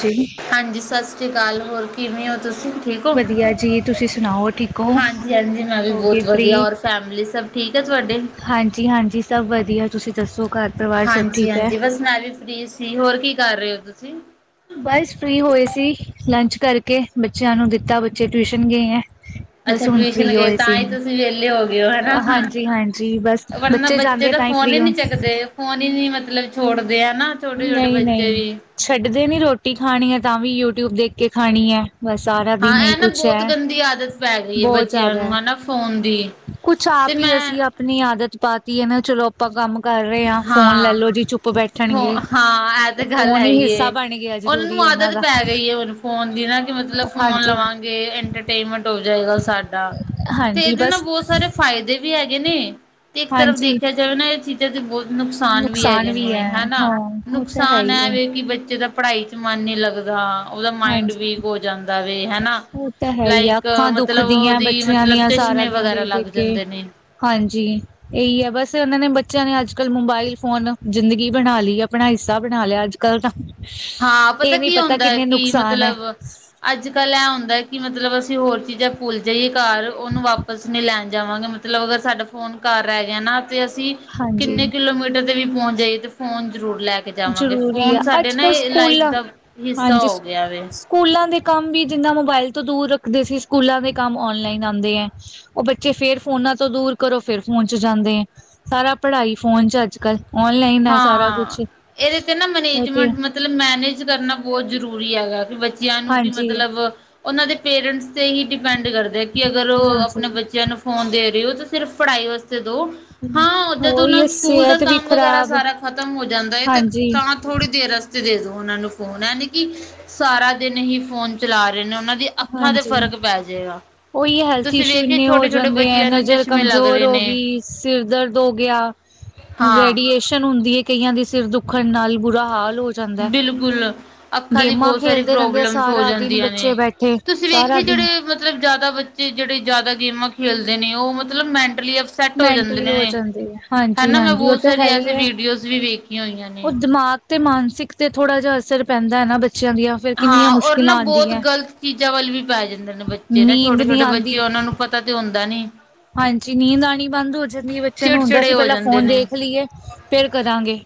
ਜੀ ਹਾਂਜੀ ਸਸਰੀ ਕਾਲ ਹੋਰ ਕਿਵੇਂ ਓਂ ਤੁਸੀਂ? ਠੀਕ ਓ, ਵਧੀਆ ਜੀ ਤੁਸੀਂ ਸੁਣਾਓ ਠੀਕ ਹੋ ਹਾਂਜੀ-ਹਾਂਜੀ ਮੈਂ ਵੀ ਹੋਗੇ ਬੋਤ ਵਦੀਆ ਔਰ ਫੈਮਲੀ ਸਭ ਠੀਕ ਆ ਤੁਆਡੀ। ਹਾਂਜੀ-ਹਾਂਜੀ ਸਭ ਵਦੀਆ ਤੁਸੀਂ ਦੱਸੋ ਘਰ ਪਰਵਾਰ ਸਭ ਹਾਂਜੀ ਠੀਕ ਐ? ਹਾਂਜੀ ਬਸ ਮੈਂ ਵੀ ਫ੍ਰੀ ਸੀ ਹੋਰ ਕੀ ਕਰ ਰਏ ਹੋ ਤੁਸੀਂ? ਬਸ ਫ੍ਰੀ ਹੋਏ ਸੀ ਲੰਚ ਕਰਕੇ ਬੱਚੇਆਂ ਨੂੰ ਦੀਤਾ ਬੱਚੇ ਟਵੀਸ਼ਨ ਗਏਂਆਂ। ਅੱਛਾ ਟਵੀਸ਼ਨ ਗਏ ਤਾਂ ਈ ਤੁਸੀਂ ਵੇਲੇ ਹੋ ਗਏ ਹੋ ਹਨਾ। ਹਾਂਜੀ ਹਾਂਜੀ ਬਸ ਵਰਨਾ ਬੱਚੇ ਜਾਂਦੇ ਤਾਂ ਹੀ ਫੋਨ ਈ ਫ੍ਰਰੀ ਹੋ ਨੀ ਚੱਕਦੇ ਫੋਨ ਈ ਨੀ ਮਤਲਵ ਛੋੜਦੇ ਅਨਾ। ਨਈ-ਨਈ ਛੱਡਦੇ ਨੀ ਰੋਟੀ ਖਾਣੀ ਐ ਤਾਂ ਵੀ ਯੂਟੀਊਬ ਦੇਖ ਕੇ ਖਾਣੀ ਐਂ। ਮਸਾਰਾ ਹਾਂ ਐ ਨਾ ਬੋਤ ਗੰਦੀ ਆਦਤ ਪੈ ਗਈ ਏ ਬਹੁਤ ਬੱਚੇਆਂ ਜ਼ਿਆਦਾ ਹੈ ਨੂੰ ਹਨਾ ਫੋਨ ਦੀ। ਕੁਛ ਤੇ ਆਪ ਈ ਮੈਂ ਅਸੀਂ ਆਪ ਆਪਣੀ ਆਦਤ ਪਾਤੀ ਐ ਨਾ ਚਲੋ ਆਪਾਂ ਕੰਮ ਕਰ ਰਏ ਆਂ ਫੋਨ ਲੈ ਹਾਂ ਲੋ ਜੀ ਚੁੱਪ ਹੋ ਬੈਠਣਗੇ। ਹਾਂ ਐ ਤੇ ਗੱਲ ਫੋਨ ਹੈ ਹੀ ਈ ਹਿੱਸਾ ਏ, ਬਣ ਗਿਆ ਓਨਾਂ ਜ਼ਰੂਰੀ ਨੂੰ ਉਹਨਾਂ ਆਦਤ ਦਾ ਪੈ ਗਈ ਏ ਹੁਣ ਫੋਨ ਦੀ ਨਾ ਕੇ ਮਤਲਬ ਫੋਨ ਹਾਂਜੀ ਲਵਾਂ ਗੇ ਈਟਰਟੇਮੈਂਟ ਹੋ ਜਾਏਗਾ ਸਾਡਾ, ਤੇ ਹਾਂਜੀ ਏਦੇ ਨਾਲ ਬਸ ਬੋ ਸਾਰੇ ਫਾਈਦੇ ਵੀ ਹੈਗੇ ਨੇ ਤੇ ਏਕ ਤਰਫ ਹਾਂਜੀ ਦੇਖੇਆ ਜਾਵੇ ਨਾ ਏ ਚੀਜ਼ਾਂ ਤੇ ਬੋਤ ਨੁਕਸਾਨ ਵੀ ਹੈਗੇ ਨੇ ਹੈ ਹਨਾ, ਹਾਂ ਉਹ ਤਾਂ ਹੈ ਨੁਕਸਾਨ ਹੀ ਐ ਹੈ ਵੇ ਕੀ ਬੱਚੇ ਦਾ ਪੜਾਈ ਚ ਮਨ ਨ ਲੱਗਦਾ ਓਦਾ ਮਾਂਈਡ ਵੀਕ ਹੋ ਜਾਂਦਾ ਵੇ ਹਨਾ ਓ ਤਾਂ ਹੈ ਈ ਆ ਲਾਈਕ ਅੱਖਾਂ ਦੁੱਖ ਮਤਲਬ ਦੀਆਂ ਉਹਦੀ ਬੱਚੇਆਂ ਮਤਲਬ ਦੀਆਂ ਸਾਰਾ ਚਸ਼ਮੇ ਦੇਨ ਵਗੈਰਾ ਦੇਖ-ਦੇਖ ਲੱਗ ਕੇ। ਜਾਂਦੇ ਨੇ ਹਾਂਜੀ। ਏਈ ਆ ਬਸ ਏਨਾਂ ਨੇ ਬੱਚੇਆਂ ਨੇ ਅੱਜ-ਕੱਲ ਮੋਬਾਈਲ ਫੋਨ, ਜ਼ਿੰਦਗੀ ਬਣਾ ਲੀ ਆ ਆਪਣਾ ਹੀਸਾ ਬਣਾ ਲੇਆ ਅੱਜ ਕਲਤਾ ਹਾਂ ਪਤਾ ਕੀ ਹੁੰਦਾ ਐ ਕੀ ਹੈ ਮਤਲਵ ਅੱਜ-ਕੱਲ੍ਹ ਇਹ ਹੁੰਦਾ ਕਿ ਮਤਲਬ ਅਸੀਂ ਹੋਰ ਚੀਜ਼ਾਂ ਭੁੱਲ ਜਾਈਏ ਘਰ, ਉਹਨੂੰ ਵਾਪਸ ਨੀ ਲੈਣ ਜਾਵਾਂਗੇ। ਮਤਲਬ ਅਗਰ ਸਾਡਾ ਫੋਨ ਘਰ ਰਹਿ ਗਿਆ ਨਾ ਤੇ ਅਸੀਂ ਹਾਂਜੀ ਕਿੰਨੇ ਕਿਲੋਮੀਟਰ ਤੇ ਵੀ ਪਹੁੰਚ ਜਾਈਏ ਤੇ ਫੋਨ ਜ਼ਰੂਰ ਲੈ ਕੇ ਜਾਵਾਂਗੇ ਜ਼ਰੂਰੀ ਆ ਫੋਨ ਸਾਡੇ ਅੱਜ ਨਾ ਕੱਲ੍ਹ ਇਹ ਲਾਈਫ ਸਕੂਲਾਂ ਦਾ ਹਿੱਸਾ ਹਾਂਜੀ ਹੋ ਗਿਆ ਵੇ। ਸਕੂਲਾਂ ਦੇ ਕੰਮ ਵੀ ਜਿੰਨਾ ਮੋਬਾਇਲ ਤੋਂ ਦੂਰ ਰੱਖਦੇ ਸੀ ਸਕੂਲਾਂ ਦੇ ਕੰਮ ਔਨਲਾਈਨ ਆਂਦੇ ਐ। ਉਹ ਬੱਚੇ ਫੇਰ ਫੋਨਾਂ ਤੋਂ ਦੂਰ ਕਰੋ ਫੇਰ ਫੋਨ ਚ ਜਾਂਦੇ, ਸਾਰਾ ਪੜ੍ਹਾਈ ਫੋਨ ਚ ਅੱਜ-ਕੱਲ। ਔਨਲਾਈਨ ਏ ਸਾਰਾ ਹਾਂ ਕੁਛ। ਇਹਦੇ ਤੇ ਨਾ ਤੇ ਮੈਨੇਜਮੈਂਟ ਮਤਲਬ ਮੈਨੇਜ ਕਰਨਾ ਬਹੁਤ ਜ਼ਰੂਰੀ ਹੈਗਾ ਕਿ ਬੱਚੇ ਨੂੰ ਕਿ ਹਾਂਜੀ ਮਤਲਬ ਉਹਨਾਂ ਦੇ ਪੇਰੈਂਟਸ ਤੇ ਹੀ ਡਿ ਡਿਪੈਂਡ ਕਰਦੇ ਕਿ ਅਗਰ ਉ ਹਾਂਜੀ ਆਪਣੇ ਬੱਚਿਆਂ ਨੂੰ ਫੋਨ ਦੇ ਰਹੇ ਹੋ ਤਾਂ ਸਿਰਫ਼ ਪੜ੍ਹਾਈ ਵਾਸਤੇ ਦੋ। ਹਾਂ, ਜਦੋਂ ਉਹੀ ਨਾ ਸਕੂਲ ਦਾ ਸਿਹਤ ਵੀ ਕੰਮ ਵਗੈਰਾ ਖ਼ਰਾਬ ਸਾਰਾ ਖਤਮ ਹੋ ਜਾਂਦਾ ਏ ਤੇ ਹਾਂਜੀ ਤਾਂ ਥੋੜ੍ਹੀ ਦੇਰ ਵਸਤੇ ਦੇ ਦੋ ਉਹਨਾਂ ਨੂੰ ਫੋਨ ਏ ਨੀ ਕਿ ਸਾਰਾ ਦਿਨ ਹੀ ਫੋਨ ਚਲਾ ਰਹੇ ਨੇ ਉਹਨਾਂ ਦੇ ਤੇ ਅੱਖਾਂ ਤੇ ਹਾਂਜੀ ਫ਼ਰਕ ਪੈ ਜਾਏਗਾ। ਉਹੀ ਹੈਲਥ ਤੁਸੀਂ ਇਸ਼ੂ ਵੇਖਿਆ ਇੰਨੇ ਹੋ ਛੋਟੇ ਛੋਟੇ ਜਾਂਦੇ ਐ ਬੱਚਿਆਂ ਨੂੰ ਨਜ਼ਰ ਚਸ਼ਮੇ ਲੱਗ ਕਮਜ਼ੋਰ ਰਹੇ ਹੋ ਨੇ ਗਈ, ਸਿਰ ਦਰਦ ਹੋ ਗਿਆ। ਹਾਂ ਰੇਡੀਏਸ਼ਨ ਹੁੰਦੀ ਏ ਕਈਆਂ ਦੇ ਸਿਰ ਦੁੱਖਣ ਨਾਲ ਬੁਰਾ ਹਾਲ ਹੋ ਜਾ ਜਾਂਦਾ ਬਿਲਕੁਲ ਅੱਖਾਂ ਦੀ ਗੇਮਾਂ ਬਹੁਤ ਸਾਰੀ ਖੇਲਦੇ ਰਹਿੰਦੇ ਆ ਪ੍ਰੋਬਲਮਸ ਹੋ ਸਾਰਾ ਦਿਨ ਜਾਂਦੀਆਂ ਬੱਚੇ ਨੇ। ਬੈਠੇ ਤੁਸੀਂ ਸਾਰਾ ਵੇਖਿਆ ਦਿਨ ਜਿਹੜੇ ਮਤਲਬ ਜ਼ਿਆਦਾ ਬੱਚੇ ਜਿਹੜੇ ਜ਼ਿਆਦਾ ਗੇਮਾਂ ਖੇਲਦੇ ਨੇ ਉਹ ਮਤਲਬ ਮੈਂਟਲੀ ਅਪ ਸੈਟ ਹੋ ਜਾਂਦੇ ਮੈਂਟਲੀ ਨੇ ਜਾਂਦੇ ਆ ਹਾਂਜੀ ਹੈਨਾ ਮੈਂ ਹਾਂਜੀ ਉਹ ਬਹੁਤ ਤਾਂ ਸਾਰੀ ਹੈ ਹੀ ਐਸੀ ਹੈ ਵੀਡੀਓਜ਼ ਵੀ ਵੇਖੀਆਂ ਹੋਈਆਂ ਨੇ। ਉਹ ਦਿਮਾਗ ਤੇ ਮਾਨਸਿਕ ਤੇ ਥੋੜ੍ਹਾ ਜਿਹਾ ਅਸਰ ਪੈਂਦਾ ਐ ਨਾ ਬੱਚਿਆਂ ਦੀਆਂ ਫਿਰ ਕਿੰਨੀਆਂ ਹਾਂ, ਔਰ ਨਾ ਮੁਸ਼ਕਿਲਾਂ ਬਹੁਤ ਆਉਂਦੀਆਂ ਗ਼ਲਤ ਚੀਜ਼ਾਂ ਵੱਲ ਵੀ ਪੈ ਜਾਂਦੇ ਨੇ ਬੱਚੇ ਨਾ ਨੀਂਦ ਨਹੀਂ ਛੋਟੇ-ਛੋਟੇ ਆਉਂਦੀ ਬੱਚੇ ਉਹਨਾਂ ਨੂੰ ਪਤਾ ਤੇ ਹੁੰਦਾ ਨੀ। ਹਾਂਜੀ, ਨੀਂਦ ਆਣੀ ਬੰਦ ਹੋ ਜਾਂਦੀ ਏ, ਬੱਚਿਆਂ ਨੂੰ ਹੁੰਦਾ ਚਿੜਚਿੜੇ ਸੀ ਹੋ ਪਹਿਲਾਂ ਅਸੀਂ ਜਾਂਦੇ ਫੋਨ ਨੇ ਦੇਖ ਲਈਏ। ਫੇਰ ਕਰਾਂਗੇ,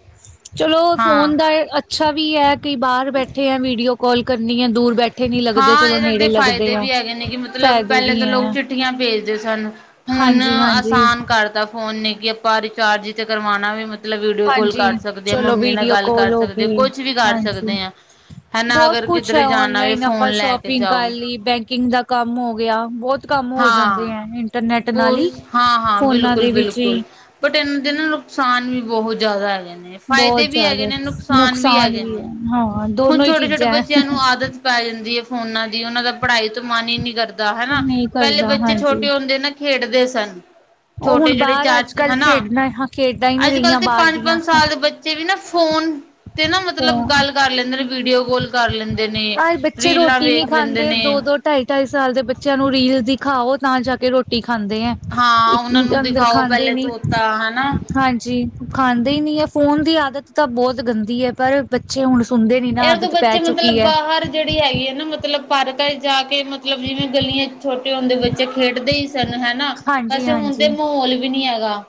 ਚਲੋ ਹਾਂ। ਫੋਨ ਦਾ ਅੱਛਾ ਵੀ ਹੈ। ਕਈ ਬਾਹਰ ਬੈਠੇ ਆ, ਵੀਡੀਓ ਕਾਲ ਕਰਨੀ ਏ, ਦੂਰ ਬੈਠੇ ਨੀ ਲੱਗਦੇ ਹਾਂ ਚਲੋ ਇਹਦੇ ਦੇ ਨੇੜੇ ਲੱਗਦੇ ਫਾਇਦੇ ਆ। ਵੀ ਹੈਗੇ ਨੇ ਕਿ ਮਤਲਬ ਫਾਇਦੇ ਪਹਿਲੇ ਵੀ ਤਾਂ ਲੋਕ ਹੈ ਚਿੱਠੀਆਂ ਭੇਜਦੇ ਸਨ, ਹੁਣ ਹਾਂਜੀ ਹਾਂਜੀ ਆਸਾਨ ਕਰਤਾ। ਫੋਨ ਨੇ ਕਿ ਆਪਾਂ ਰਿਚਾਰਜ ਤੇ ਵੀ ਕਰਵਾਣਾ ਵੇ। ਮਤਲਬ ਵੀਡੀਓ ਕਾਲ ਹਾਂਜੀ ਕਰ ਸਕਦੇ ਆ, ਚਲੋ ਮੰਮੀ ਨਾਲ ਵੀਡੀਓ ਗੱਲ ਕਰ ਕੋਲ ਹੋ ਸਕਦੇ ਗਈ ਕੁੱਛ ਵੀ ਕਰ ਹਾਂਜੀ ਦੇਆ ਹੈਨਾ ਬਹੁਤ ਅਗਰ ਕੁਛ ਕਿਧਰੇ ਹੈ ਜਾਣਾ ਵੀ ਔਨਲਾਈਨ ਫੋਨ ਆਪਾਂ ਲੈ ਕੇ ਸ਼ੋਪਿੰਗ ਜਾਓ। ਕਰ ਲਈ ਬੈਂਕਿੰਗ ਦਾ ਕੰਮ ਹੋ ਗਿਆ ਬਹੁਤ ਕੰਮ ਹੋ ਜਾਂਦੇ ਹਾਂ। ਏ, ਇੰਟਰਨੈਟ ਨਾਲ ਬਹੁਤ ਹੀ, ਹਾਂ-ਹਾਂ ਫੋਨਾਂ ਦੇ ਵਿੱਚ ਬਿਲਕੁਲ-ਬਿਲਕੁਲ। ਹੀ ਬਟ ਇਹਨਾਂ ਦੇ ਨਾ ਨੁਕਸਾਨ ਵੀ ਬਹੁਤ ਜ਼ਿਆਦਾ ਹੈਗੇ ਨੇ। ਬਹੁਤ ਫਾਇਦੇ ਵੀ ਹੈਗੇ ਜ਼ਿਆਦਾ ਨੇ, ਨੁਕਸਾਨ ਵੀ ਹੈਗੇ ਨੇ, ਹੈ ਹਾਂ ਹੁਣ ਦੋਨੋ ਹੀ ਛੋਟੇ-ਛੋਟੇ ਚੀਜ਼ਾਂ ਹੈ ਬੱਚਿਆਂ ਨੂੰ ਆਦਤ ਪੈ ਜਾਂਦੀ ਏ ਫੋਨਾਂ ਦੀ, ਉਹਨਾਂ ਦਾ ਪੜ੍ਹਾਈ ਤੋਂ ਮਨ ਹੀ ਨਹੀਂ ਕਰਦਾ ਹੈਨਾ, ਨਹੀਂ ਪਹਿਲੇ ਕਰਦਾ ਬੱਚੇ ਹਾਂਜੀ ਛੋਟੇ ਹੁੰਦੇ ਨਾ ਖੇਡਦੇ ਸਨ। ਉਹ ਛੋਟੇ ਹੁਣ ਜਿਹੜੇ ਬਾਹਰ ਚਾਰ ਅੱਜ ਕੱਲ ਹੈਨਾ ਖੇਡਣਾ ਖੇਡਾਂ ਹੀ ਨਹੀਂ ਰਹੀਆਂ ਅੱਜ-ਕੱਲ੍ਹ ਤੇ ਬਾਹਰ ਦੀਆਂ ਪੰਜ-ਪੰਜ ਸਾਲ ਦੇ ਬੱ ਚੇ ਨਾ ਤੇ ਵੀ ਨਾ ਫੋਨ ਤੇ ਨਾ ਮਤਲਬ ਗੱਲ ਕਰ ਲੈਂਦੇ ਨੇ ਵੀਡੀਓ ਕੋਲ ਕਰ ਲੈਂਦੇ ਨੇ, ਰੀਲਾਂ ਵੇਖ ਲੈਂਦੇ ਨੇ। ਢਾਈ-ਢਾਈ ਸਾਲ ਦੇ ਬੱਚਿਆਂ ਨੂੰ ਰੀਲ ਦਿਖਾਓ ਤਾਂ ਜਾ ਕੇ ਰੋਟੀ ਖਾਂਦੇ ਐ। ਹਾਂ ਉਹਨਾਂ [unintelligible] ਤਾਂ ਨੂੰ ਅੰਦਰ ਦਿਖਾਓ ਖਾਂਦੇ ਪਹਿਲੇ ਨੀ ਤੋਤਾ ਹਨਾ ਹਾਂਜੀ। ਖਾਂਦੇ ਹੀ ਨਹੀਂ ਐ ਫੋਨ ਦੀ ਆਦਤ ਤਾਂ ਬਹੁਤ ਗੰਦੀ ਐ ਪਰ ਬੱਚੇ ਹੁਣ ਸੁਣਦੇ ਨੀ ਨਾ, ਇਹ ਤੋਂ ਆਦਤ ਪੈ ਬੱਚੇ ਚੁੱਕੀ ਮਤਲਬ ਏ। ਬਾਹਰ ਜਿਹੜੀ ਹੈਗੀ ਐ ਨਾ ਮਤਲਬ ਪਾਰਕਾਂ ਚ ਜਾ ਕੇ ਮਤਲਬ ਜਿਵੇਂ ਗਲੀਆਂ ਛੋਟੇ ਹੁੰਦੇ ਬੱਚੇ ਖੇਡਦੇ ਹੀ ਸੀਗੇ। ਹੈਨਾ, ਹਾਂਜੀ ਵੈਸੇ ਹੁਣ ਹਾਂਜੀ ਤੇ ਮਹੌਲ ਵੀ ਨੀ ਹੈਗਾ।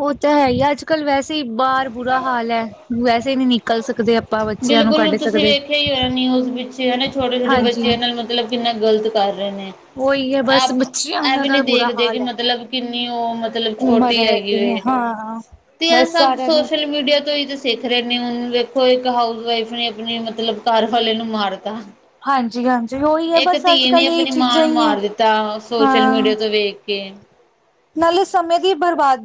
ਉਹ ਤਾਂ ਹੈ ਹੀ ਅੱਜ-ਕੱਲ ਵੈਸੇ ਹੀ ਬਾਹਰ ਬੁਰਾ ਹਾਲ ਏ ਵੈਸੇ ਹੀ ਨਹੀਂ ਨਿਕਲ ਸਕਦੇ ਅਆ ਬਿਲਕੁਲ, ਤੁਸੀਂ ਵੇਖਿਆ ਹੀ ਹੋਇਆ ਨਿਊਜ਼ ਵਿੱਚ ਹੈਨਾ ਛੋਟੇ-ਛੋਟੇ ਹਾਂਜੀ ਬੱਚਿਆਂ ਨਾਲ ਮਤਲਬ ਕਿੰਨਾ ਗਲਤ ਕਰ ਰਏ ਨੇ। ਉਹੀ ਹੈ ਬਸ ਆਪ ਬੱਚਿਆਂ ਏ ਦਾ ਵੀ ਤਾਂ ਨਈਂ ਬੁਰਾ ਦੇਖਦੇ ਹਾਲ ਕਿ ਹੈ ਮਤਲਬ ਕਿੰਨੀ ਓ ਮਤਲਬ ਉਮਰ ਛੋਟੀ ਹੈ ਕਿਵੇਂ ਹੈਗਿਏ। ਹਾਂ ਤੇ ਏ ਬਸ ਸਭ ਸਾਰਿਆਂ ਨੂੰ ਸੋਸ਼ਲ ਮੀਡੀਆ ਤੋਂ ਹੀ ਸਿੱਖ ਰੇਨੇ ਓਨੂੰ ਵੇਖੋ ਇੱਕ ਹਾਊਸ ਵਈਫ ਨੇ ਅਪਨੇ ਮਤਲਬ ਘਰ ਵਾਲੇ ਨੂੰ ਮਾਰਤਾ। ਹਾਂਜੀ ਹਾਂਜੀ ਉਹੀ ਹੈ ਇੱਕ ਬਸ ਅੱਜ ਧੀ ਨੇ ਕੱਲ ਇਹ ਆਪਣੀ ਮਾਂ ਚੀਜ਼ਾਂ ਨੂੰ ਹੀ ਹੈ ਮਾਰ ਦਿੱਤਾ, ਸੋਸ਼ਲ ਹਾਂ ਮੀਡੀਆ ਤੋਂ ਵੇਖ ਕੇ। ਨਾਲੇ ਸਮੇਂ ਦੀ ਬਰਬਾਦ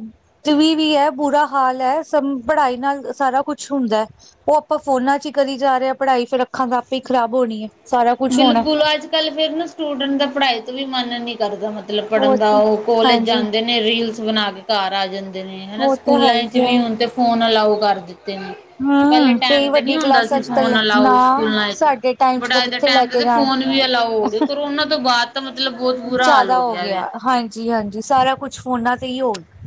ਵੀ ਵੀ ਐ ਬੁਰਾ ਹਾਲ ਐ, ਸ ਪੜ੍ਹਾਈ ਨਾਲ ਸਾਰਾ ਕੁਛ ਹੁੰਦਾ। ਓ ਆਪਾਂ ਫੋਨਾਂ ਚ ਹੀ ਕਰੀ ਜਾ ਰੇਆਂ ਪੜ੍ਹਾਈ ਫੇਰ ਅੱਖਾਂ ਤਾਂ ਆਪੇ ਹੀ ਖ਼ਰਾਬ ਹੋਣੀਏ। ਬਿਲਕੁਲ ਅੱਜ ਕੱਲ ਫੇਰ ਨਾ ਸਟੂਡੈਂਟ ਦਾ ਪੜ੍ਹਾਈ ਤੋਂ ਵੀ ਮਨ ਨੀ ਕਰਦਾ ਮਤਲਬ ਲਬ ਉਹ ਪੜ੍ਹਨ ਦਾ ਤੇ ਓ ਕੋਲੇਜ ਹਾਂਜੀ ਜਾਂਦੇ ਨੇ ਰੀਲਸ ਬਣਾ ਕੇ ਘਰ ਆ ਜਾਂਦੇ ਨੇ ਹੈਨਾ, ਉਹ ਤਾਂ ਹੈ ਸਕੂਲਾਂ ਹੀ ਚ ਹੈ ਵੀ ਹੁਣ ਤੇ ਫੋਨ ਅਲਾਓ ਕਰ ਦਿੱਤੇ ਨੇ। ਪੈਲੇ ਹਮ ਟੈਮ ਕਈ ਤੇ ਨੀਂ ਵੱਡੀ ਹੁੰਦਾ ਸੀ ਕਲਾਸਾਂ ਚ ਤਾਂ ਫੋਨ ਨਾ ਅਲਾਓ ਸਕੂਲਾਂ ਚ ਸਾਡੇ ਟਾਈਮ ਚ ਬਟ, ਤਾਂ ਏ ਕਿੱਥੇ ਲੈ ਟੈਮ ਦਾ ਕੇ ਤੇ ਜਾਣ ਫੋਨ ਵੀ ਅਲਾਓ ਹੋਗੇ, ਕਰੋਨਾ ਤੋਂ ਬਾਦ ਤਾਂ ਮਤਲਬ ਬਹੁਤ ਬੁਰਾ ਹਾਲ ਹੋ ਗਿਆ ਵੇ। ਜੀ ਹਾਂਜੀ, ਸਾਰਾ ਕੁਛ ਫੋਨਾਂ ਤੇ ਹੀ ਹੋ ਗਿਆ।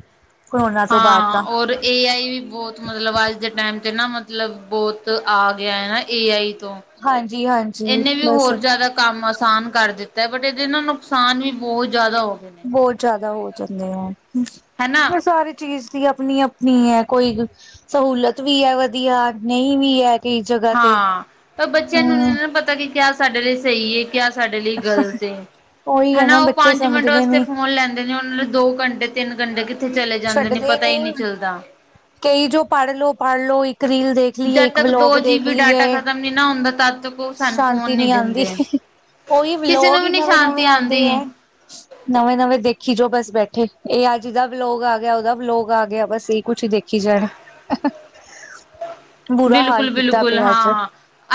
ਕਰੋਨਾ ਤੋਂ ਬਾਅਦ ਹਾਂ, ਤਾਂ ਔਰ ਏਆਈ ਵੀ ਬਹੁਤ ਮਤਲਬ ਅੱਜ ਦੇ ਟਾਈਮ 'ਤੇ ਨਾ ਮਤਲਬ ਬਹੁਤ ਆ ਗਿਆ ਹੈਨਾ, ਏਆਈ ਤੋਂ ਹਾਂਜੀ-ਹਾਂਜੀ, ਇਹਨੇ ਵੀ ਬਸ ਹੋਰ ਜ਼ਿਆਦਾ ਕੰਮ ਆਸਾਨ ਕਰ ਦਿੱਤਾ ਬਟ, ਏਦੇ ਨਾ ਨੁਕਸਾਨ ਵੀ ਬਓਤ ਜਾਦਾ ਹੋ ਗਿਆ। ਬੋਤ ਜਾਦਾ ਹੋ ਜਾਂਦੇ ਆ, ਹੈਨਾ ਪਰ ਸਾਰੀ ਚੀਜ਼ ਅਪਨੀ-ਅਪਨੀ ਏ ਕੋਈ ਸਹੂਲਤ ਵੀ ਏ ਵਧੀਆ ਨਈ ਵੀ ਐ। ਹਾਂ, ਪਰ ਬੱਚਿਆਂ ਨੂੰ ਨਾ ਪਤਾ ਕਿ ਕਿਆ ਸਾਡੇ ਲਈ ਸਹੀ ਏ ਕਿਆ ਸਾਡੇ ਲਈ ਗਲਤ ਏ ਉਹੀ ਹੈ ਨਾ ਹੈਨਾ, ਓ ਬੱਚੇ ਪੰਜ ਮਿੰਟ ਸਮਝਦੇ ਵਾਸਤੇ ਨੀ ਫੋਨ ਲੈਂਦੇ ਨੇ ਓਨਾਂ ਨੂੰ ਦੋ ਘੰਟੇ ਤਿੰਨ ਘੰਟੇ ਕਿੱਥੇ ਚਲੇ ਜਾਂਦੇ ਨੇ ਛੱਡਦੇ ਪਤਾ ਹੀ ਨਈ ਨਹੀਂ ਚੱਲਦਾ। ਕਈ ਜੋ ਪੜ ਲੋ, ਪੜ ਲੋ ਇੱਕ ਰੀਲ ਦੇਖ ਦੇਖ ਲਈਏ ਜਦ ਇੱਕ ਤੱਕ ਵਲੋਗ ਦੋ ਜੀ ਦੇਖ ਬੀ ਡਾਟਾ ਲਈਏ, ਖਤਮ ਨੀ ਨਾ ਹੁੰਦਾ ਤਦ ਤੱਕ ਉਹ ਸਾਨੂੰ ਫੋਨ ਸ਼ਾਂਤੀ ਨੀ ਆਂਦੀ। ਦਿੰਦੇ। ਓਈ ਕਿਸੇ ਨੂੰ ਵਲੋਗ ਵੀ ਨੀ ਸ਼ਾਂਤੀ ਨਵੇਂ-ਨਵੇਂ ਆਂਦੇ ਆਂਦੀ। ਐ। ਨਵੇਂ-ਨਵੇਂ ਦੇਖੀ ਜੋ ਬਸ ਬੈਠੇ ਇਹ ਅੱਜ ਦਾ ਲੋਗ ਆ ਗਿਆ, ਓਦਾ ਵਲੋਗ ਆ ਗਿਆ ਬਸ, ਏਹੀ ਕੁਛ ਦੇਖੀ ਜਾਣਾ। ਕੀਤਾ ਬਿਲਕੁਲ-ਬਿਲਕੁਲ, ਪਿਆ ਅੱਜ ਹਾਂ।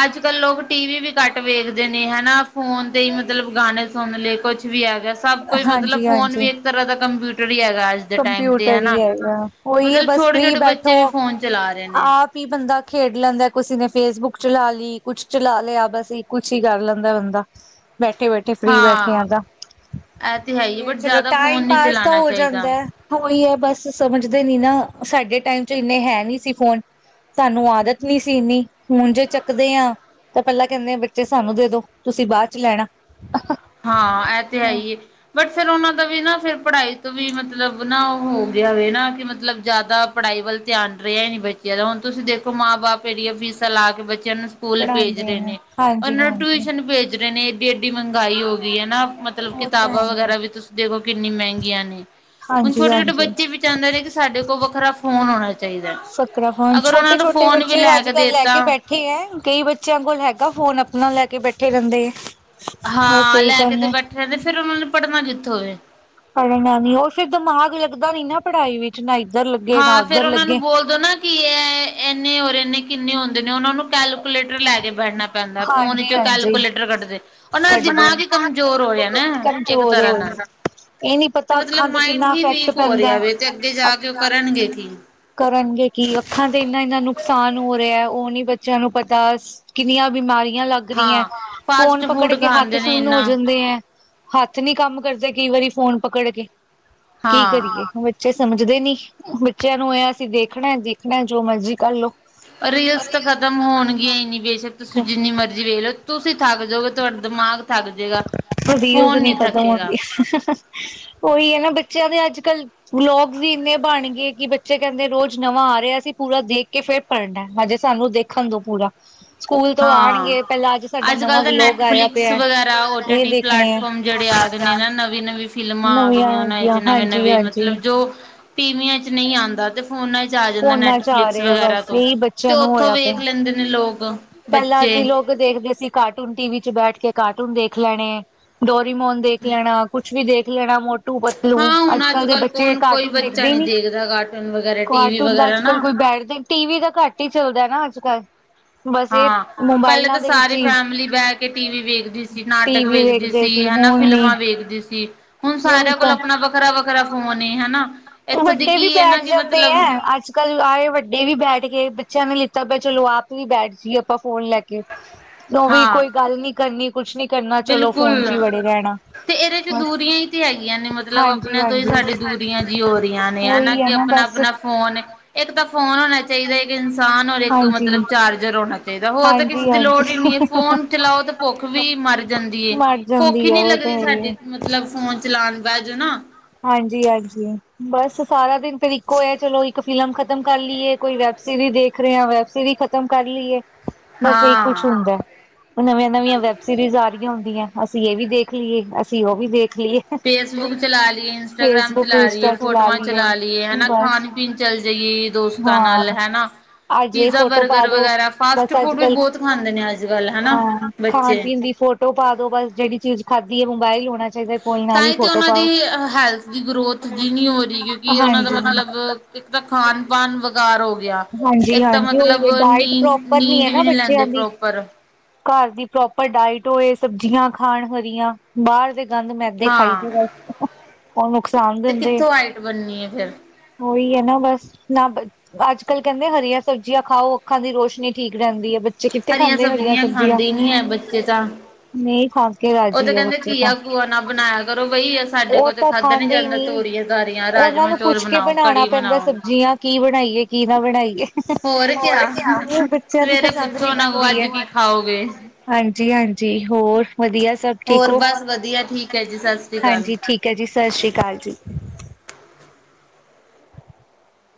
ਅੱਜ ਕੱਲ੍ਹ ਲੋਕ ਟੀਵੀ ਵੀ ਕੱਟ ਵੇਖਦੇ ਨੇ ਹੈਨਾ, ਫੋਨ ਤੇ ਹੀ ਮਤਲਬ ਗਾਣੇ ਸੁਣ ਲਏ ਕੁਛ ਵੀ ਹੈਗਾ। ਸਭ ਕੋਈ ਮਤਲਬ ਹਾਂਜੀ ਫੋਨ ਵੀ ਇੱਕ ਤਰ੍ਹਾਂ ਦਾ ਕੰਪਿਊਟਰ ਹੀ ਹੈਗਾ ਅੱਜ। ਦੇ ਟਾਈਮ ਤੇ ਕੰਮਪਿਊਟਰ ਹਨਾ। ਈ ਹੈਗਾ, ਓਹੀ ਏ ਮਤਲਬ ਬਸ ਫ੍ਰੀ ਛੋਟੇ-ਛੋਟੇ ਬੱਚੇ ਬੈਠੋ ਵੀ ਫੋਨ ਚਲਾ ਰਹੇ ਨੇ ਆਪ ਵੀ ਬੰਦਾ ਖੇਡ ਲੈਂਦਾ, ਕਿਸੇ ਨੇ ਫੇਸਬੁੱਕ ਚਲਾ ਲਈ ਕੁਛ ਚਲਾ ਲਿਆ ਬਸ, ਕੁਛ ਈ ਕਰ ਲੈਂਦਾ ਬੰਦਾ। [inaudible] ਬੈਠੇ ਬੈਠੇ ਫ੍ਰੀ ਬੈਠੇ ਹਾਂ। ਆ, ਆਜਾ। ਇਹ ਤੇ ਹੈ ਹੀ ਬਟ ਚਲੋ, ਜ਼ਿਆਦਾ ਫੋਨ ਟਾਈਮ ਨਹੀਂ ਪਾਸ ਤਾਂ ਚਲਾਣਾ ਹੋ ਜਾਂਦਾ। ਚਾਹੀਦਾ। ਓਹੀ ਏ ਬਸ ਸਮਝਦੇ ਨੀ ਨਾ, ਸਾਡੇ ਟਾਈਮ ਚ ਏਨੇ ਹੈ ਨੀ ਸੀ ਫੋਨ। ਸਾਨੂੰ ਆਦਤ ਨੀ ਸੀ ਇੰਨੀ, ਹੁਣ ਜੇ ਚੱਕਦੇ ਆਂ ਤਾਂ ਪਈਲਾਂ ਕੈਂਦੇ ਆ ਬੱਚੇ ਸਾਨੂੰ ਦੇਦੋ, ਤੁਸੀਂ ਬਾਦ ਚ ਲੈਣਾ। ਹਾਂ, ਐ ਤੇ ਹੈ ਹਿਏ। ਬਟ ਫੇਰ ਓਨਾਂ ਦਾ ਵੀ ਨਾ ਫੇਰ ਪੜਾਈ ਤੋਂ ਵੀ ਮਤਲਬ ਨਾ ਓ ਹੋ ਗਿਆ ਵੇ ਨਾ ਕਿ ਮਤਲਬ ਜਾਦਾ ਪੜ੍ਹਾਈ ਵੱਲ ਧਿਆਨ ਰਿਹਾ ਹੀਨੀ ਬੱਚਿਆਂ ਦਾ ਹੁਣ ਤੁਸੀਂ ਦੇਖੋ, ਮਾਂ-ਬਾਪ ਏਨੀਆਂ ਫੀਸਾਂ ਲਾਕੇ ਬੱਚਿਆਂ ਨੂੰ ਸਕੂਲ ਭੇਜ ਪੜ੍ਹਾਉਂਦੇ ਰਹੇ ਆ ਨੇ,, ਹਾਂਜੀ ਓਨਾਂ ਨੂੰ ਹਾਂਜੀ ਟਿਊਸ਼ਨ ਭੇਜ ਰਹੇ ਨੇ, ਏਡੀ-ਏਡੀ ਮਹਿੰਗਾਈ ਹੋ ਗਈ ਹੈਨਾ। ਮਤਲਬ ਉਹ ਤਾਂ ਕਿਤਾਬਾਂ ਹੈ ਵਗੈਰਾ ਵੀ ਤੁਸੀਂ ਦੇਖੋ, ਕਿੰਨੀ ਮਹਿੰਗੀਆਂ ਨੇ। ਹੁਣ ਹਾਂਜੀ ਛੋਟੇ-ਛੋਟੇ ਹਾਂਜੀ ਬੱਚੇ ਵੀ ਚਾਂਦੇ ਨੇ ਕਿ ਸਾਡੇ ਕੋਲ ਵੱਖਰਾ ਫੋਨ ਹੋਣਾ ਚਾਹੀਦਾ। ਸਕਰਾ ਖਾਂ ਅਗਰ ਉਹਨਾਂ ਨੂੰ ਛੋਟੇ-ਛੋਟੇ ਫੋਨ ਵੀ ਬੱਚੇ ਅੱਜ ਕੇ ਕੱਲ ਲੈ ਦੇਤਾ ਕੇ ਬੈਠੇ ਇਠੇ ਐ ਕਈ ਬੱਚਿਆਂ ਕੋਲ ਹੈਗਾ ਫੋਨ ਆਪਣਾ ਲੈ ਕੇ ਬੈਠੇ ਰੈਂਦੇ ਆ। ਹਾਂ ਲੈ ਕੇ ਤੇ ਬੈਠੇ ਰੈਂਦੇ ਫਿਰ ਉਨਾ ਨੇ ਪੜ੍ਹਨਾ ਜਿੱਥੋਂ ਏ। ਪੜ੍ਹਨਾ ਨੀ ਓ ਫਿਰ ਦਿਮਾਗ ਲੱਗਦਾ ਨੀ ਨਾ ਪੜ੍ਹਾਈ ਵਿੱਚ ਨਾ ਇੱਧਰ ਲੱਗੇ ਨਾ ਉੱਧਰ ਲੱਗੇ। ਕੀ ਐ ਇੰਨੇ ਔਰ ਇੰਨੇ ਕਿੰਨੇ ਹੁੰਦੇ ਨੇ ਉਹਨਾਂ ਨੂੰ ਕੈਲਕੂਲੇਟਰ ਲੈ ਕੇ ਬੈਨਾ। ਪੈਂਦਾ ਫੋਨ ਹਾਂਜੀ ਚੋਂ ਹਾਂਜੀ ਕੈਲਕੂਲੇਟਰ ਕੱਢਦੇ ਉਹਨਾਂ ਦਾ ਕੱਢਦੇ ਦਿਮਾਗ ਹੀ ਕਮਜ਼ੋਰ ਹੋ ਰਿਆ ਨਾ ਇੱਕ ਕਮਜ਼ੋਰ ਤਰ੍ਹਾਂ ਹੋ ਨਾਲ ਇਹ ਨੀ ਤੇ ਪਤਾ ਅੱਖਾਂ ਮਤਲਬ ਮਾਇੰਡ ਕਿੰਨਾ ਹੀ ਵੀਕ ਇਫੈਕਟ ਹੋ ਪੈਂਦਾ ਰਿਆ ਵੇ ਤੇ ਅੱਗੇ ਜਾ ਕੇ ਓ ਹੈ। ਕਰਨਗੇ ਕੀ। ਕਰਨਗੇ ਕੀ ਅੱਖਾਂ ਤੇ ਇੰਨਾ-ਇੰਨਾ ਨੁਕਸਾਨ ਹੋ ਰਿਆ ਓ ਨੀ ਬੱਚਿਆਂ ਨੂੰ ਪਤਾ ਕਿੰਨੀਆਂ ਬਿਮਾਰੀਆਂ ਲੱਗ ਰਈਆਂ ਹਾਂ ਫੋਨ ਫਾਸਟ ਪਕੜ ਫੂਡ ਕੇ ਹੱਥ ਖਾਂਦੇ ਨੇ ਸੁੰਨ ਹੋ ਇੰਨਾ ਜਾਂਦੇ ਐ। ਹੱਥ ਨੀ ਕੰਮ ਕਰਦੇ ਕਈ ਵਾਰੀ ਫੋਨ ਪਕੜ ਕੇ ਕੀ ਹਾਂ ਕਰੀਏ। ਬੱਚੇ ਸਮਝਦੇ ਨੀ ਬੱਚਿਆਂ ਨੂੰ ਇਹ ਅਸੀਂ ਦੇਖਣਾ-ਦੇਖਣਾ ਜੋ ਮਰਜੀ ਕਰ ਲੋ। ਰੀਲਸ ਤਾਂ ਖਤਮ ਹੋਣਗੀਆਂ ਨੀ ਇੰਨੀ ਬੇਸ਼ੱਕ ਤੁਸੀਂ ਜਿੰਨੀ ਮਰਜ਼ੀ ਵੇਖ ਲੋ। ਤੁਸੀਂ ਥੱਕ ਜਾਓਗੇ ਤੁਹਾਡਾ ਦਿਮਾਗ ਥੱਕ ਜੇਗਾ। ਓ ਰਲੀਜ਼ ਨੀ ਖਤਮ ਹੁੰਦੀ ਉਹੀ ਐ ਨਾ ਬੱਚਿਆਂ ਦੇ ਅੱਜ ਕੱਲ ਵਲੋਗਸ ਵੀ ਇੰਨੇ ਬਣ ਗਏ ਕਿ ਬੱਚੇ ਕੈਂਦੇ ਰੋਜ਼ ਨਵਾਂ ਆ ਰਿਆ ਸੀ ਪੂਰਾ ਦੇਖ ਕੇ ਫਿਰ ਪੜਨਾ ਹਜੇ ਸਾਨੂੰ ਦੇਖਣ ਦੋ ਪੂਰਾ ਸਕੂਲ ਤੋਂ ਹਾਂ ਆਉਣਗੇ ਪਹਿਲਾਂ ਸਾਡਾ ਅੱਜ ਕੱਲ ਨਵਾਂ ਤਾਂ ਵਲੋਗ ਆਇਆ ਨੈਟਫਲਿਕਸ ਪਿਆ ਵਗੈ ਓ ਇਹ ਟੀ-ਟੀ ਦੇਖਣੇ ਆ ਪਲੈਟਫਾਰਮ ਜੇੜੇ ਆ ਗਏ ਨੇ ਨਾ ਨਵੀਂ-ਨਵੀਂ ਫਿਲਮਾਂ ਆ ਨਵੀਆਂ ਗਈਆਂ ਆਗੀਆਂ ਓ ਹਾਂਜੀ ਨਵੇਂ-ਨਵੇਂ ਹਾਂਜੀ ਮਤਲਬ ਜੋ ਟੀਵੀਆਂ 'ਚ ਨਈ ਆਂਦਾ ਤੇ ਫੋਨਾਂ 'ਚ ਆ ਜਾਂਦਾ ਫੋਨਾਂ ਚ ਆ ਨੈਟਫਲਿਕਸ ਰਹੇ ਆ ਵਗੈਰਾ ਬਸ ਤੋਂ ਇਹੀ ਤੇ ਬੱਚਿਆਂ ਉੱਥੋਂ ਵੇਖ ਲੈਂਦੇ ਨੇ ਲੋਗ ਪੈਲਾਂ ਅਸੀਂ ਲੋਕ ਦੇਖਦੇ ਸੀ ਕਾਰਟੂਨ ਟੀ ਵੀ 'ਚ ਬੈਠ ਕੇ ਕਾਰਟੂਨ ਦੇਖ ਲੈਣੇ। ਡੋਰੀਮੋਨ ਦੇਖ ਲੈਣਾ ਕੁਛ ਵੀ ਦੇਖ ਲੈਣਾ ਮੋ ਟੂ ਪਤਲੂ ਹਾਂ ਅੱਜ ਹੁਣ ਕੱਲ ਦੇ ਕੱਲ੍ਹ ਬੱਚੇ ਕੌਣ ਕੋਈ ਕਾਰਟੂਨ ਬੱਚਾ ਦੇਖਦੇ ਨਹੀਂ ਨੀ ਦੇਖਦਾ ਕਾਰਟੂਨ ਵਗੈਰਾ ਟੀ ਵੀ ਕਾਰਟੂਨ ਦਾ ਵਗੈਰਾ ਅੱਜ ਕੱਲ ਨਾ ਕੋਈ ਬੈਠਦੇ ਟੀ ਵੀ ਤਾਂ ਘੱਟ ਈ ਚੱਲਦਾ ਨਾ ਅੱਜ ਕੱਲ੍ਹ ਹਾਂ ਪੈਲੇ ਤਾਂ ਵਿੱਚ ਸਾਰੀ ਹੀ ਫੈਮਲੀ ਬਹਿ ਕੇ ਟੀ ਵੀ ਵੇਖਦੀ ਸੀ ਨਾਟਕ ਟੀਵੀ ਵੇਖਦੀ। ਦੇਖਦੇ ਸੀ ਹਨਾ ਹੁਣ ਨੀ ਫਿਲਮਾਂ ਵੇਖਦੀ ਸੀ ਹੁਣ ਸਾਰਿਆਂ ਕੋਲ ਆਪਣਾ ਵੱਖਰਾ-ਵੱਖਰਾ ਫੋਨ ਹੇ ਹਨਾ। ਇੱਥੋਂ ਦੀ ਵੱਡੇ ਵੀ ਕੀ ਹੈ ਨਾ ਬੈਠ ਕਿ ਜਾਂਦੇ ਮਤਲਬ ਐ ਅੱਜ ਕੱਲ ਆਏ ਵੱਡੇ ਵੀ ਬੈਠ ਗਏ ਬੱਚਿਆਂ ਨੇ ਲਿੱਤਾ ਪ ਚਲੋ ਆਪ ਵੀ ਬੈਠ ਜੀਏ ਆਪਾਂ ਫੋਨ ਲੈ ਕੇ। [inaudible] ਓ ਵੀ ਕੋਈ ਗੱਲ ਨੀ ਕਰਨੀ ਕੁਛ ਨੀ ਕਰਨਾ ਚਲੋ ਫੋਨ 'ਚ ਹੀ ਬਿਲਕੁਲ ਵੜੇ ਰੈਂਣਾ। ਤੇ ਇਹਦੇ 'ਚ ਦੂਰੀਆਂ ਈ ਤੇ ਹੈਗੀਆਂ ਨੇ ਮਤਲਬ ਹਾਂਜੀ ਆਪਣਿਆਂ ਤੋਂ ਈ ਹਾਂਜੀ ਸਾਡੇ ਦੂਰ ਰੀਆਂ ਵੀ ਹੋ ਰਈਆਂ ਨੇ ਹਨਾ ਉਹੀ ਹੈ ਕਿ ਨਾ ਬਸ ਆਪਣਾ-ਆਪਣਾ ਫੋਨ ਏ। ਇੱਕ ਤਾਂ ਫ਼ੋਨ ਹੋਣਾ ਚਾਈਦਾ ਇੱਕ ਇਨਸਾਨ ਔਰ ਇੱਕ ਹਾਂਜੀ ਮਤਲਬ ਚਾਰਜਰ ਹੋਣਾ ਚਾਈਦਾ ਹੋਰ ਤਾਂ ਕਿਸੇ ਹਾਂਜੀ ਦੀ ਲੋੜ ਈ ਹਾਂਜੀ ਨਈ ਏ। ਫੋਨ ਚਲਾਓ ਤਾਂ ਭੁੱਖ ਵੀ ਮਰ ਜਾਂਦੀ ਏ ਮਰ ਭੁੱਖ ਜਾਂਦੀ ਹੀ ਆ ਨੀ ਉਹ ਤਾਂ ਲੱਗਦੀ ਹੈ ਹੀ ਸਾਡੀ ਹੈ। ਮਤਲਬ ਫੋਨ ਚਲਾਣ ਬੈ ਜਾਨਾ। ਹਾਂਜੀ-ਹਾਂਜੀ ਬਸ ਸਾਰਾ ਦਿਨ ਫਿਰ ਇੱਕੋ ਹੈ ਚਲੋ ਇੱਕ ਫ਼ਿਲਮ ਖਤਮ ਕਰ ਲਈਏ। ਕੋਈ ਵੈਬਸੀਰੀ ਦੇਖ ਰਏ ਹਾਂ ਵੈਬਸੀਰੀ ਖ਼ਤਮ ਕਰ ਲਈਏ ਬਸ ਇਹੀ ਕੁਛ ਹਾਂ ਹੁੰਦਾ। ਨਵੀਆਂ-ਨਵੀਆਂ ਵੈੱਬ ਸੀਰੀਜ਼ ਆ ਰਈਆਂ ਹੁੰਦੀਆਂ ਅਸੀਂ ਇਹ ਵੀ ਦੇਖ ਲਈਏ ਅਸੀਂ ਓ ਵੀ ਦੇਖ ਲਈਏ। ਫੇਸਬੁੱਕ ਚਲਾ ਲਈਏ ਇੰਸਟਾਗ੍ਰਾਮ ਚਲਾ ਲਈਏ ਫੋਟੋਆਂ ਚਲਾ ਲਈਏ ਹਨਾ ਬਸ ਖਾਣ ਪੀਣ ਚੱਲ ਜਾਈਏ ਦੋਸਤਾਂ ਹਾਂ ਨਾਲ ਹਨਾ। ਅੱਜ ਇਹ ਪੀਜ਼ਾ ਫੋਟੋ ਪਾ ਬਰਗਰ ਦੋ ਵਗੈਰਾ ਫਾਸਟ ਬਸ ਅੱਜ ਫੂਡ ਵੀ ਕੱਲ ਬੋਤ ਖਾਂਦੇ ਨੇ ਅੱਜ ਕੱਲ ਹਨਾ ਬੱਚੇ ਤੋ ਪਾ ਦੋ ਬਸ ਜੇੜੀ ਚੀਜ਼ ਖਾਧੀ ਹੈ ਮੋਬਾਇਲ ਹੋਣਾ ਚਾਈਦਾ ਕੋਈ ਤਾਂ ਨਾਲ ਈ। ਹੀ ਤੇ ਉਹਨਾਂ ਦੀ ਹੈਲਥ ਦੀ ਗਰੋਥ ਜੀ ਨਈ ਹੋ ਰਈ ਕਿਉਂਕਿ ਉਹਨਾਂ ਹਾਂਜੀ ਦਾ ਮਤਲਬ ਇੱਕ ਤਾਂ ਖਾਣ ਵਣ ਵਗਾਰ ਹੋ ਗਿਆ ਹਾਂਜੀ ਇੱਕ ਤਾਂ ਹਾਂਜੀ ਉਹੀ ਮਤਲਬ ਹੈ ਡਾਇਟ ਪ੍ਰੋਪਰ ਨੀ ਨੀਂਦ-ਨੀਂਦ ਹੈ ਨਾ ਵੀ ਨਈ ਲੈਂਦੇ ਬੱਚਿਆਂ ਦੀ ਪ੍ਰੋਪਰ ਘਰ ਦੀ ਪ੍ਰੋਪਰ ਡਾਇਟ ਹੋਏ ਸਬਜ਼ੀਆਂ ਖਾਣ ਹਰੀਆਂ ਬਾਰ ਦੇ ਗੰਦ ਮੈ ਦੇ ਖਾਈ ਹਾਂ ਚਲੋ ਤਾਂ ਓ ਨੁਕਸਾਨ ਤੇ ਦਿੰਦੇ ਆ। ਕਿੱਥੋਂ ਹਾਈਟ ਬਣਨੀ ਹੈ ਫਿਰ ਓਈ ਐ ਨਾ ਬਸ ਨਾ ਬ ਅੱਜ ਕੋਈ ਕੈਂਦੇ ਹਰੀਆਂ ਸਬਜ਼ੀਆਂ ਖਾਓ, ਅੱਖਾਂ ਦੀ ਰੋਸ਼ਨੀ ਠੀਕ ਰੈਂਦੀ ਐ। ਬੱਚ ਬੱਚੇ ਕਿੱਥੇ ਖਾਂਦੇ ਹਰੀਆਂ ਸਬਜ਼ੀਆਂ। ਖਾਂਦੇ ਹੀ ਨੀ ਹੈ ਬੱਚੇ ਤਾਂ ਨਈਂ ਖਾ ਕੇ ਉਹ ਤਾਂ ਰਾਜੀ ਐ ਕਹਿੰਦੇ ਬੱਚੇ ਤਾਂ, ਘੀਆ ਘੂਆ ਨਾ ਬਣਾਇਆ ਕਰੋ ਬਈ ਸਾਡੇ ਏ ਕੋਲ ਤੇ ਤਾਂ ਖਾਧਾ ਨੀ ਖਾਂਦੇ ਈ ਜਾਂਦਾ ਨਈਂ। ਤੋਰੀਆਂ ਤਾਰੀਆਂ ਓਨਾਂ ਰਾਜਮਾਂ ਨੂੰ ਚੋਲ ਪੁੱਛ ਕੇ ਬਣਾਓ ਬਣਾਣਾ ਕੜੀ ਪੈਂਦਾ ਬਣਾਓ ਸਬਜ਼ੀਆਂ, ਕੀ ਬਣਾਈਏ ਕੀ ਨਾਂ ਬਣਾਈਏ। ਹੋਰ ਕਿਆ, ਬੱਚਿਆਂ ਦੀ ਸਵੇਰੇ ਪਸੰਦ ਪੁੱਛੋ ਦੀ ਉਹਨਾਂ ਕੋਲ ਬਣਦੀ ਅੱਜ ਐ। ਕੀ ਖਾਓਗੇ ਹਾਂਜੀ ਹਾਂਜੀ, ਹੋਰ ਵਧੀਆ ਸਭ ਠੀਕ ਹੋਰ ਐ? ਬਸ ਵਧੀਆ ਠੀਕ ਹੈ ਜੀ ਸਤਿ ਸ੍ਰੀ ਅਕਾਲ ਹਾਂਜੀ ਠੀਕ। ਕਿਆ ਜੀ, ਸਤਿ ਸ੍ਰੀ ਅਕਾਲ ਜੀ।